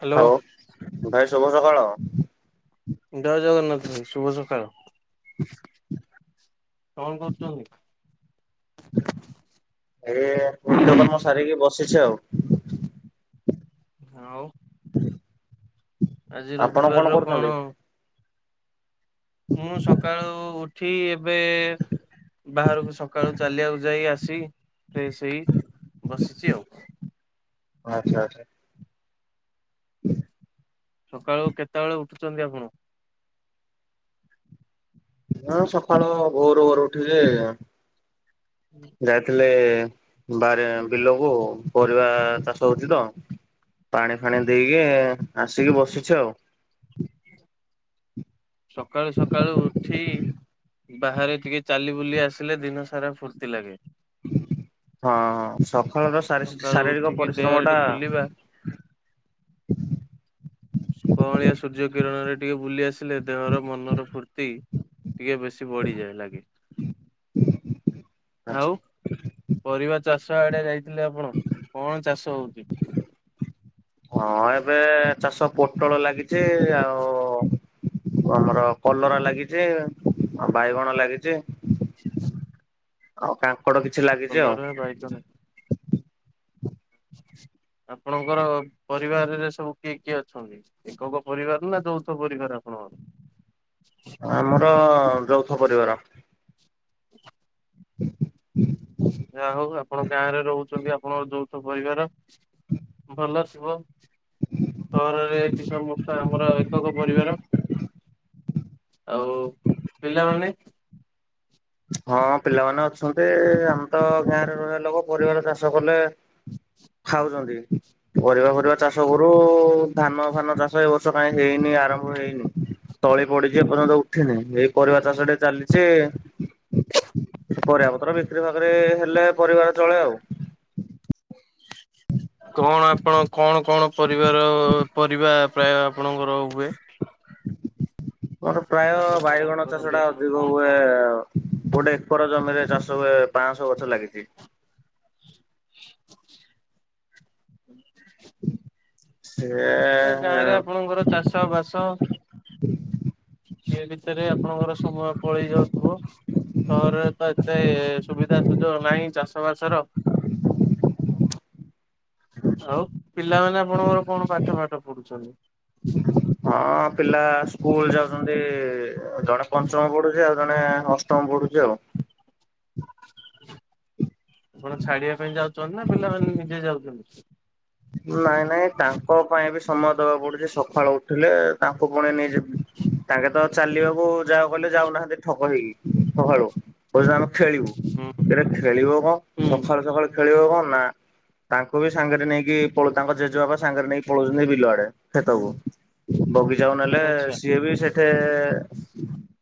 Hello ହଉ ଭାଇ ଶୁଭ ସକାଳ। ଜୟ ଜଗନ୍ନାଥ ଭାଇ ଶୁଭ ସକାଳ। କଣ କରୁଛନ୍ତି? ଏଇ ନିତ୍ୟକର୍ମ ସାରିକି ବସିଚି ଆଉ। ଆଉ ଆଜି ଆପଣ ରବିବାର ର କରୁଛନ୍ତି? କଣ? ମୁଁ ସକାଳୁ ଉଠି ଏବେ ବାହାରକୁ ସକାଳୁ ଚାଲିବାକୁ ଯାଇ ଆସି ଫ୍ରେଶ ହେଇ ବସିଚି ଆଉ। ଆଚ୍ଛା ଆଛା। ସକାଳୁ କେତେବେଳେ ଉଠୁଛନ୍ତି ଆପଣ? ହଁ ସକାଳୁ ଭୋର ଭୋର ଉଠିଲି ଯେ ଯାଇଥିଲେ ବାହାରେ ବିଲକୁ ପରିବା ଚାଷ ହଉଛି ତ। ପାଣି ଫାଣି ଦେଇକି ଆସିକି ବସିଚି ଆଉ। ସକାଳୁ ସକାଳୁ ଉଠି ବାହାରେ ଟିକେ ଚାଲି ବୁଲି ଆସିଲେ ଦିନ ସାରା ଫୁର୍ତ୍ତି ଲାଗେ। ହଁ ସକାଳର ଶାରୀ ସକାଳୁ ଶାରୀରିକ ଉଠିକି ପରିଶ୍ରମ ଦେହରେ ଟା ଟିକେ ବୁଲିବା କଅଁଳିଆ ସୂର୍ଯ୍ୟ କିରଣରେ ଟିକେ ବୁଲି ଆସିଲେ ଦେହର ମନର ଫୁର୍ତ୍ତି ଟିକେ ବେଶୀ ବଢ଼ିଯାଏ ଲାଗେ। ଆଚ୍ଛା। ଆଉ ପରିବା ଚାଷ ଆଡେ ଯାଇଥିଲେ ଆପଣ, କଣ ଚାଷ ହଉଚି? ହଁ ଏବେ ଚାଷ ପୋଟୋଳ ଲାଗିଚି। ଆଉ ଆମର କଲରା ଲାଗିଚି ଆଉ ବାଇଗଣ ଲାଗିଚି। ଆଉ କାଙ୍କଡ଼ କିଛି ଲାଗିଚି ଆଉ। [unintelligible] ଆପଣଙ୍କର ପରିବାରରେ ସବୁ କିଏ କିଏ ଅଛନ୍ତି? ଏକକ ପରିବାର ନା ଯୌଥ ପରିବାର ଆପଣଙ୍କର? ଆମର ଯୌଥ ପରିବାର। [inaudible] ଯାହା ହଉ ଆପଣ ଗାଁରେ ରହୁଚନ୍ତି ଆପଣଙ୍କ ଯୌଥ ପରିବାର। ଭଲ ଥିବ। ସହରରେ ଏଠି ସମସ୍ତେ ଆମର ଏକକ ପରିବାର। ଆଉ ପିଲାମାନେ? ହଁ ପିଲାମାନେ ଅଛନ୍ତି। ଆମେ ତ ଗାଁରେ ରହିବା ଲୋକ ପରିବା ଚାଷ କଲେ ଖାଉଚନ୍ତି। ପରିବା ଫରିବା ଚାଷ କରୁ। ଧାନ ଫାନ ଚାଷ ଏ ବର୍ଷ କାଇଁ ହେଇନି ଆରମ୍ଭ ହେଇନି। ତଳି ପଡିଚି ଏପର୍ଯ୍ୟନ୍ତ ଉଠିନି। ଏଇ ପରିବା ଚାଷ ଟେ ଚାଲିଚି। [inaudible] ପରିବା ପତ୍ର ବିକ୍ରି ଫାକ୍ରି ହେଲେ ପରିବାର ଚଳେ ଆଉ। [inaudible] କଣ ଆପଣ କଣ କଣ ପରିବାର ପରିବା ପ୍ରାୟେ ଆପଣଙ୍କର ହୁଏ? ମୋର ପ୍ରାୟ ଚାଷ କଣ ବାଇଗଣ ଚାଷ କରନ୍ତି ଟା ଆପଣ ଅଧିକ କଣ ହୁଏ କଣ? ଆଉ। ଗୋଟେ ଏକର ଜମିରେ ଚାଷ ହୁଏ ପାଁଶ ଗଛ ଲାଗିଚି। [unintelligible] ନାଇଁ ଗାଁ ରେ ସେ ଆପଣଙ୍କର ଚାଷ ବାସ ଇଏ ଭିତେରେ ଆପଣଙ୍କର ସମୟ ପଳେଇ ଯାଉଥିବ? ସହରରେ ତ ଏତେ ସୁବିଧା ସୁଯୋଗ ନାହିଁ ଚାଷ ବାସର। [inaudible] ଆଉ ପିଲାମାନେ ଆପଣଙ୍କର କଣ ପାଠ ଫାଠ ପଢ଼ୁଛନ୍ତି? ହଁ ପିଲା ସ୍କୁଲ୍ ଯାଉଛନ୍ତି, ଜଣେ ପଞ୍ଚମ ପଢ଼ୁଚି, ଆଉ ଜଣେ ଅଷ୍ଟମ ପଢ଼ୁଚି ଆଉ। ଆପଣ ଛାଡିବା ପାଇଁ ଯାଉଚନ୍ତି ନା ପିଲାମାନେ ନିଜେ ଯାଉଚନ୍ତି? ନାଇଁ ନାଇଁ ତାଙ୍କ ପାଇଁ ବି ସମୟ ଦବାକୁ ପଡୁଚି। ସଖାଳୁ ଉଠିଲେ ତାଙ୍କୁ ପୁଣି ନେଇଯି ତାଙ୍କର ତ ଚାଲିବାକୁ ଯାଅ କହିଲେ ଯାଉନାହାନ୍ତି ଠକ ହେଇକି ସକାଳୁ। କହୁଚନ୍ତି ଆମେ ଖେଳିବୁ। ହୁଁ ସେଟା ଖେଳିବ କଣ? ହୁଁ ସଖାଳୁ ସଖାଳୁ ଖେଳିବ କଣ ନା ତାଙ୍କୁ ବି ସାଙ୍ଗରେ ନେଇ କି ପଳ ତାଙ୍କ ଜେଜେବାପା ସାଙ୍ଗରେ ନେଇକି ପଳଉଚନ୍ତି ବିଲ ଆଡେ ଖେତକୁ। ବଗିଚାକୁ ନେଲେ ଆଚ୍ଛା ସିଏ ବି ସେଠେ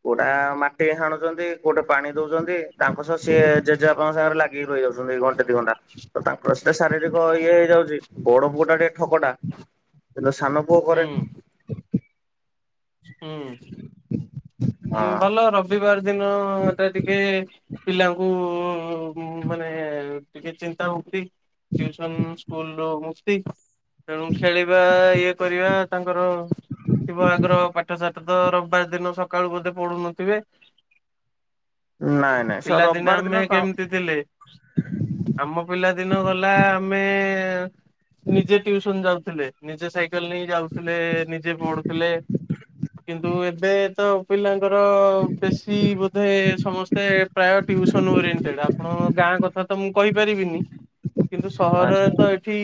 କୋଉଟା ମାଟି ହାଣୁଚନ୍ତି, କୋଉଟା ପାଣି ଦୋଉଚନ୍ତି, ତାଙ୍କ ସହ ସିଏ ଜେଜେବାପାଙ୍କ ସାଙ୍ଗରେ ଲା ଗି ରହି ଯାଉଛନ୍ତି, ଏ ଘଣ୍ଟେ ଦି ଘଣ୍ଟା ତ ତାଙ୍କର ସେଇଟା ଶାରୀରିକ ଇଏ ହେଇଯାଉଚି। ବଡ଼ ପୁଅ ଟା ଟିକେ ଠକଟା। କିନ୍ତୁ ସାନ ପୁଅ ହୁଁ। କରେ ହୁଁ, ହଁ ଉଁ, ଭଲ ରବିବାର ଦିନ ଏଟା ଟିକେ ପିଲାଙ୍କୁ ଉ, ମାନେ ଟିକେ ଚିନ୍ତା ମୁକ୍ତି। ଟିଉସନ୍ ସ୍କୁଲ୍ ରୁ ମୁକ୍ତି। ତେଣୁ ଖେଳିବା ଇଏ କରିବା। ତାଙ୍କର ଥିବ ଆଗ୍ରହ ପାଠ ସାଠ ତ ରବବାର ଦିନ ସକାଳୁ ବୋଧେ ପଢ଼ୁନଥିବେ। ନାଇଁ ନାଇଁ ସେ ପିଲାଦିନେ ରବିବାର ଦିନ ଆମେ କ କେମିତି ଥିଲେ? ଆମ ପିଲା ଦିନ ଗଲା ଆମେ ନିଜେ ଟିଉସନ୍ ଯାଉଥିଲେ। ନିଜେ ସାଇକେଲ୍ ନେଇ ଯାଉଥିଲେ ନିଜେ ପଢ଼ୁଥିଲେ। କିନ୍ତୁ ଏବେ ତୋ ପିଲାଙ୍କର ବେଶୀ ବୋଧେ ସମସ୍ତେ ପ୍ରାୟ ଟିଉସନ୍ ଓରିଏଣ୍ଟେଡ୍। ଆପଣଙ୍କ ଗାଁ କଥା ତୋ ମୁଁ କହିପାରିବିନି। କିନ୍ତୁ ସହରରେ ତୋ ଏ ଠି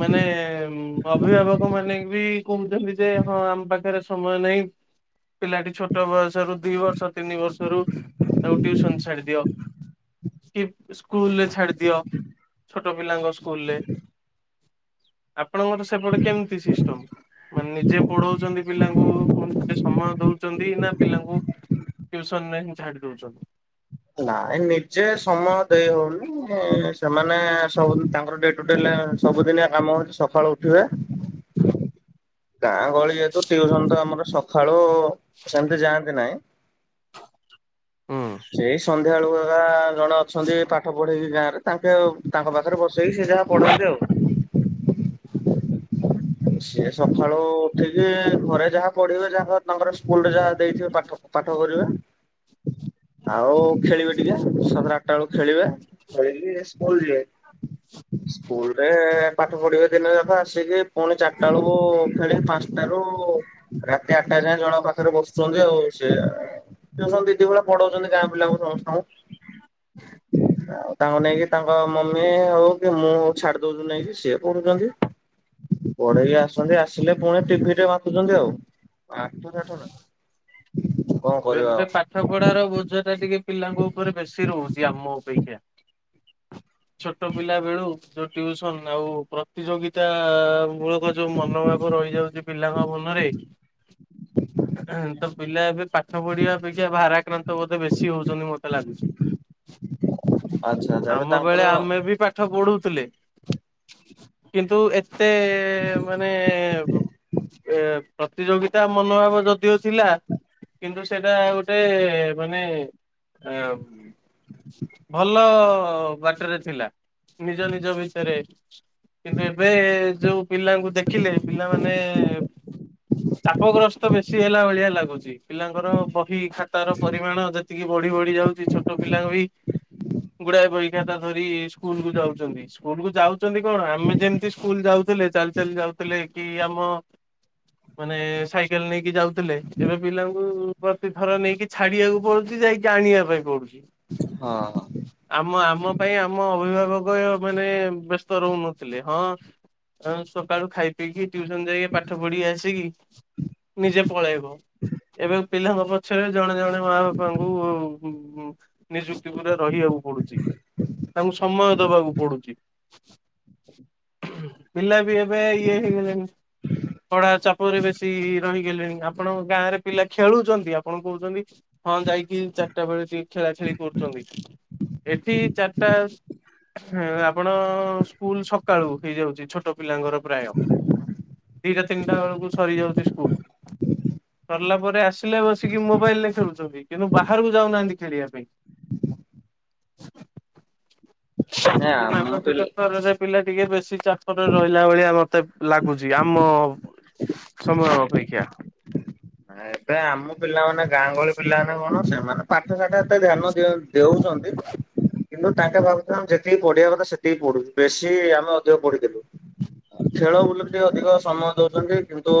ମାନେ ଉଁ, ଅଭିଭାବକ ମାନେ ବି କହୁଚନ୍ତି ଯେ ହଁ ଆମ ପା ପାଖରେ ସମୟ ନାହିଁ ପିଲାଟି ଛୋ ଟ ବୟସରୁ ଦି ବର୍ଷ ତିନି ବର୍ଷରୁ ତାକୁ ଟିଉସନ ଛାଡି ଦିଅ। କି ସ୍କୁଲ୍ ରେ ଛାଡି ଦିଅ, ଛୋଟ ପିଲାଙ୍କ ସ୍କୁଲ୍ ରେ। ଆପଣଙ୍କର ସେପଟେ କେମିତି ସିଷ୍ଟମ? ମାନେ ନିଜେ ପଢଉଚନ୍ତି ପିଲାଙ୍କୁ ପୁଣିଥରେ ସମୟ ଦଉଚନ୍ତି ନା ପିଲାଙ୍କୁ ଟିଉସନରେ ହିଁ ଛାଡି ଦଉଛନ୍ତି? ନାଇ ନିଜେ ସମୟ ଦେଇ ହଉନି। ଏ ସେମାନେ ସବୁଦିନ ତାଙ୍କର ଡେ ତ ଡେଲା ସବୁଦିନିଆ କାମ ସକାଳୁ ଉଠିବେ [inaudible] ଗାଁ ଗହଳି ଯେହେତୁ ଟିଉସନ ତୋ ଆମର ସଖାଳୁ ସେମିତି ଯାଆନ୍ତି ନାହିଁ। ହୁଁ। ସିଆଳୁ ଏକା ଜଣେ ଅଛନ୍ତି ପାଠ ପଢ଼େଇକି ଗାଁରେ। ତାଙ୍କେ ଆଉ ତାଙ୍କ ପାଖରେ ବସେଇକି ସେ ଯାହା ପଢାନ୍ତି ଆଉ। ସିଏ ସଖାଳୁ ସେଇ ଯେ ଘରେ ଯାହା ପଢିବେ, ଯାହା ହୋ ତାଙ୍କର ସ୍କୁଲ୍ ରେ ଯାହା ଦେଇଥିବେ ପାଠ, ପାଠ କରିବେ। ଆଉ ଖେଳିବେ ଟିକେ ସାତ ଟା ଆଟା ବେଳକୁ ଖେଳିବେ। ପଢିକି ସ୍କୁଲ୍ ଯିବେ। ସ୍କୁଲ୍ ରେ ପାଠ ପଢିବେ ଦିନ ଯାକ ଆସିକି ପୁଣି ଚାରିଟା ବେଳକୁ ଖେଳେ ପାଞ୍ଚଟା ରୁ ରାତି ଆଠଟା ଯାଏ ଜଣକ ପାଖରେ ବସୁଛନ୍ତି। ଆଉ ସେ ଟିୟୁସନ୍ ଦିଦି ଭଲ୍ ପଢ଼ାଉଛନ୍ତି। ଗାଁ ପୁିଲାଙ୍କୁ ସମସ୍ତଙ୍କୁ। ଆଉ ତାଙ୍କୁ ନେଇକି ତାଙ୍କ ମମି ହଉ କି ମୁଁ ଛାଡି ଦଉଛିି ନେଇକି ସିଏ ପଢୁଛନ୍ତି। ପଢେଇ ଆସୁଛନ୍ତି ଆସିଲେ ପୁଣି ଟିଭିରେ ମାତୁଛନ୍ତି। ଆଉ ପାଠ ଶାଠ ନାଇ। [inaudible] ଏବେ ପାଠ ପଢାର ବୋଝ ଟା ଟିକେ ପିଲାଙ୍କ ଉପରେ ବେଶୀ ରହୁଛି ଆମ ଅପେକ୍ଷା। [inaudible] ଛୋଟ ପିଲା ବେଳୁ ଯୋଉ ଟ୍ୟୁସନ। ଆଉ ପ୍ରତିଯୋଗିତା-ଆ ମୂଳକ ଯୋଉ ମନୋଭାବ ସବୁ ରହିଯାଉଛି ପିଲାଙ୍କ ମନରେ। [inaudible] ହଁ। ତ ପିଲା ଏବେ ପା ପାଠ ପଢିବା ଅପେକ୍ଷା ଭାରାକ୍ରାନ୍ତ ବୋଧେ ବେଶୀ ହଉଛନ୍ତି। ମତେ ଲାଗୁଛି ଆଚ୍ଛା ଆଚ୍ଛା [inaudible] ଏବେ ଆମ ତାଙ୍କର ବେଳେ ହଁ ଆମେ ବି ପା ଠ ପଢୁଥିଲେ [inaudible] କିନ୍ତୁ ଏ ଏତେ ମାନେ [inaudible] ଏ ପ୍ରତିଯୋଗିତା ମନୋଭାବ ଯଦିଓ ଥିଲା କିନ୍ତୁ ସେଇଟା ଗୋଟେ ମାନେ [inaudible] ଏ ଭଲ ବାଟରେ ଥିଲା। ନିଜ ନିଜ ଭିତରେ। କିନ୍ତୁ ଏବେ ଯୋଉ ପିଲାଙ୍କୁ ଦେଖିଲେ ପିଲାମାନେ ଚାପ ଗ୍ରସ୍ତ ବେଶୀ ହେଲା ଭଳିଆ ଲାଗୁଛି। ପିଲାଙ୍କର ବହି ଖାତାର ପରିମାଣ ଯେ ତିକି ବଢି ବଢି ଯାଉଛି ଛୋଟ ପିଲା ବି ଗୁଡାଏ ବହି ଖାତା ଧରି ସ୍କୁଲ କୁ ଯାଉଛନ୍ତି। ସ୍କୁଲ କୁ ଯାଉଛନ୍ତି କଣ? ଆମେ ଯେମିତି ସ୍କୁଲ ଯାଉଥିଲେ ଚାଲି ଚାଲି ଯାଉଥିଲେ କି ଆମ ମାନେ ସାଇକେଲ ନେଇକି ଯାଉଥିଲେ। ଏବେ ପିଲା ଙ୍କୁ ପ୍ରତିଥର ନେଇକି ଛାଡିବାକୁ ପଡୁଛି ଯାଇକି ଆଣିବା ପାଇଁ ପଡୁଛି। ହଁ ଆମ ଆମ ପାଇଁ ଆମ ଅଭିଭାବକ ମାନେ ବ୍ୟସ୍ତ ରହୁନଥିଲେ। ହଁ ଆଉ ସକାଳୁ ଖାଇ ପିଇକି ଟ୍ୟୁସନ ଯାଇକି ପାଠ ପଢି ଆସିକି ନିଜେ ପଳାଇବ। ଏବେ ପିଲାଙ୍କ ପଛରେ ଜଣେ ଜଣେ ମା ବାପାଙ୍କୁ ନିଯୁକ୍ତି ପୁରା ରହିବାକୁ ପଡୁଛି, ତାଙ୍କୁ ସମୟ ଦବାକୁ ପଡୁଛି। ପିଲା ବି ଏବେ ଇଏ ହେଇଗଲେଣି ପଢା ଚାପରେ ବେଶି ରହିଗଲେଣି, ଆପଣଙ୍କ ଗାଁରେ ପିଲା ଖେଳୁଛନ୍ତି, ଆପଣ କହୁଛନ୍ତି ହଁ ଯାଇକି ଚାରଟା ବେଳେ ଟିକେ ଖେଳାଖେଳି କରୁଛନ୍ତି। ଏଠି ଚାରଟା ଆପଣ ସ୍କୁଲ ସକାଳୁ ହେଇଯାଉଛି, ଛୋଟ ପିଲାଙ୍କର ପ୍ରାୟ ଦିଇଟା ତିନିଟା ବେଳକୁ ସରିଯାଉଛି ସ୍କୁଲ। ସରିଲା ପରେ ଆସିଲେ ବସିକି ମୋବାଇଲରେ ଖେଳୁଛନ୍ତି। କିନ୍ତୁ ବାହାରକୁ ଯାଉନାହାନ୍ତି ଖେଳିବା ପାଇଁ [inaudible] ଆମ ମାନସିକ ପିଲା ସ୍ତରରେ ପିଲାଟିକେ ବେଶୀ ଚାପରେ ରହିଲା ଭଳିଆ ମତେ ଲାଗୁଛି ଆମ ସମୟ ଅପେକ୍ଷା ଏବେ ଆମ ପିଲାମାନେ ଗାଁ ଗହଳି ପିଲାମାନେ। କଣ ସେମାନେ ପାଠ ସାଠ ଏ ଏତେ ଧ୍ୟାନ ଦିଅ ଦେଉଛନ୍ତି। କିନ୍ତୁ ତାଙ୍କେ ଭାବୁଥିବେ ଆମେ ଯେତିକି ପଢିବା କଥା ସେତିକି ପଢୁନୁ ବେଶୀ ଆମେ ଅଧିକ ପଢିଦେଲୁ। ଖେଳ ବୁଲରେ ଟିକେ ଅଧିକ ସମୟ ଦଉଛନ୍ତି କିନ୍ତୁ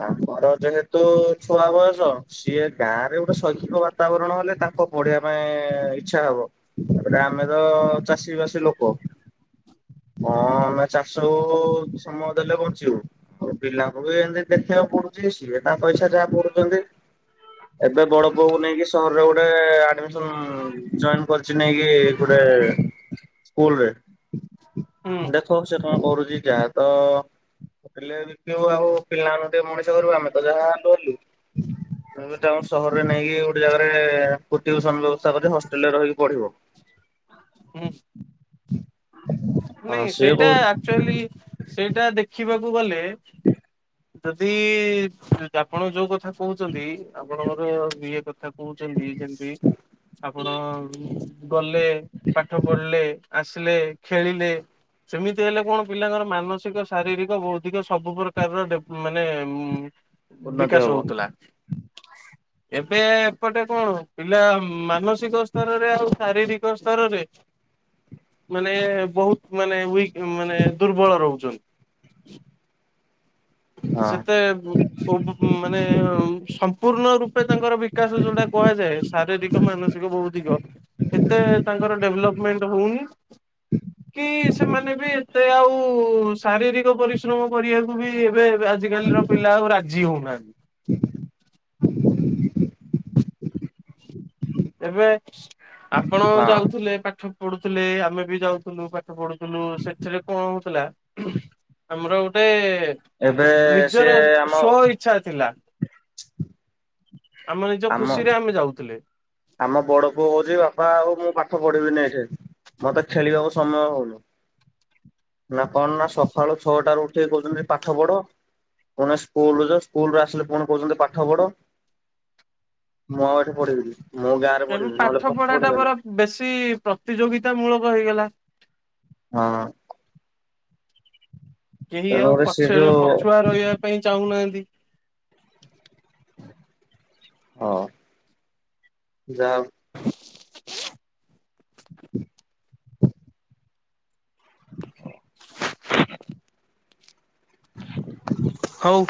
ତାଙ୍କର ଯେହେତୁ ଛୁଆ ବୟସ ସିଏ ଗାଁରେ ଗୋଟେ ଶୈକ୍ଷିକ ବାତାବରଣ ହେଲେ, ତାଙ୍କ ପଢିବା ପାଇଁ ଇଚ୍ଛା ହବ। ତାପରେ ଆମେ ତ ଚାଷୀବାଷୀ ଲୋକ। ହଁ ଆମେ ଚାଷକୁ ସମୟ ଦେଲେ ବଞ୍ଚିବୁ। ଓ ପିଲାଙ୍କୁ ବି ଏମତି ଦେଖିବାକୁ ପଡୁଚି ସିଏ ତାଙ୍କ ଇଛା ଯାହା ପଡୁଚନ୍ତି। ଏବେ ବଡ ପୁଅକୁ ନେଇକି ସହରରେ ଗୋଟେ ଆଡମିସନ୍ ଜଏନ୍ କରିଚି ନେଇକି ଗୋଟେ ସ୍କୁଲରେ ହୁଁ ଦେଖୋଉ ସିଏ କଣ କରୁଚି ଯାହା ତ ହେଲେବିି ଦେଖିବୁ ଆଉ ପିଲାର ମଣିଷ କରିବୁ ଆମେ ତ ଯାହା ହେଲୁ ହେଲୁ ଉଁ ତେଣୁକରି ତାଙ୍କୁ ସହରରେ ନେଇକି ଗୋଟେ ଜାଗାରେ ଟ୍ୟୁସନ ବ୍ୟବସ୍ତା କରିଦେ ହଷ୍ଟେଲରେ ରହିକି ପଢିବ। ହୁଁ ହଁ ନାଇଁ ସିଏ ସେଇଟା ବହୁତ ଆକଚୁଆଲି ସେଇଟା ଦେଖିବାକୁ ଗଲେ ଯଦି ଏ ଆପଣ ଯୋଉ କଥା କୋହୁଚନ୍ତି ଆପଣଙ୍କର ବି ଏ କଥା କୋହୁଚନ୍ତି ଯେମତି ଆପଣ ଉ ଗଲେ। ପାଠ ପଢଲେ ଆସିଲେ ଖେଳିଲେ ସେମିତି ହେଲେ କଣ ପିଲାଙ୍କର ମାନସିକ ଶାରୀରିକ ବୋହୁତ ଟିକେ ସବୁ ପ୍ରକାର ଡେବ୍ ମାନେ ଉମ୍ ଉନ୍ନତି ବିକାଶ ହବ ହୋଉଥିଲା। ଏବେ ଏପଟେ କଣ ପିଲା ମାନସିକ ସ୍ତରରେ ଆଉ ଶାରୀରିକ ସ୍ ସ୍ତରରେ ମାନେ ବୋହୁତ୍ ମାନେ ଉଇକ୍ ମାନେ ଦୁର୍ବଳ ରହୁଚନ୍ତି। ହଁ ସେତେ ଉଁ ଓ ଉଁ ଉଁ ମାନେ ହୋଉ ସମ୍ପୂର୍ଣ୍ଣ ରୂପେ ତାଙ୍କର ବିକାଶ ଯୋଉଟା କୁହାଯାଏ। ଶାରୀରିକ ମାନସିକ ଭୌତିକ ଏତେ ତାଙ୍କର ଡେଭଲପମେଣ୍ଟ୍ ହୋଉନି। କି ସେମାନେ ବି ଏତେ ଆଉ ସ୍ ଶାରୀରିକ ପରିଶ୍ରମ କରିବାକୁ ବି ଏବେ ଏବେ ଆଜିକାଲିର ପିଲା ଆଉ ରାଜି ହୋଉନାହାନ୍ତି। [inaudible] ଏବେ ଆପଣ ହଁ ଯାଉଥୁଲେ ପାଠ ପଢୁଥୁଲେ ଆମେ ବି ଯାଉଥୁଲୁ ପାଠ ପଢୁଥୁଲୁ ସେଥିରେ କଣ ହୋଉଥିଲା ଆମର ଗୋଟେ ଏବେ ନିଜର ସିଏ ଆମ ସ୍-ସ୍ଵଇ ଛା ଥିଲା ଆମ ନିଜ ଖୁସିରେ ଆମେ ଯାଉଥୁଲେ। ଆମ ବଡ ପୁଅ କୋହୁଚି ବାପା ଆଉ ମୁଁ ପାଠ ପଢିବିନି ଏଠି ମତେ ଖେଳିବାକୁ ସମୟ ହୋଉନି। ନା କଣ ନା ସକାଳୁ ଛଅଟାରୁ ଉଠିକି କୋହୁଚନ୍ତି ପାଠପଢ। ପୁଉଣି ସ୍କୁଲୁ ସ୍କୁଲରୁ ଆସିଲେ ପୁଣି କୋହୁଚନ୍ତି ପାଠପଢ। ମୁଁ ଆଉ ଏଠି ପଢ଼ିବିନି ମୋ ଗାଁ ଏବେ ପାଠପଢାଟା ପରା ବେଶୀ ପ୍ରତିଯୋଗିତା ମୂଳକ ହେଇଗଲା। ହଁ। କେହି ଆଉ ତେଣୁକରି ସେ ପଛରେ ଯୋଉ ପଛୁଆ ରହିବା ପାଇଁ ଚାହୁଁନାହାନ୍ତି। ହଁ ଯାହା [inaudible] ହୋଉ